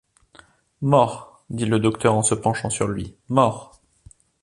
Mort ! dit le docteur en se penchant sur lui, mort !